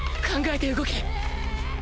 考えて動け